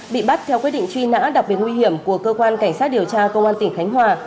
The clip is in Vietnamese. bị bắt theo quyết định truy nã đặc biệt nguy hiểm của cơ quan cảnh sát điều tra công an tỉnh khánh hòa